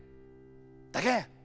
だけん